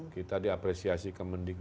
kita diapresiasi kemendirian